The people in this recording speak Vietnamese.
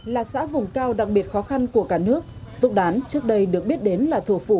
là xã vùng cao đặc biệt khó khăn của cả nước tục đán trước đây được biết đến là thủ phủ